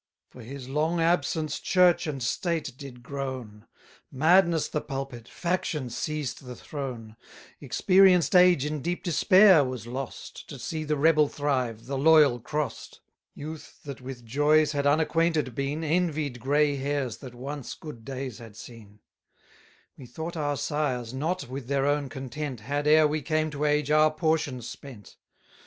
20 For his long absence Church and State did groan; Madness the pulpit, faction seized the throne: Experienced age in deep despair was lost, To see the rebel thrive, the loyal cross'd: Youth that with joys had unacquainted been, Envied gray hairs that once good days had seen: We thought our sires, not with their own content, Had, ere we came to age, our portion spent.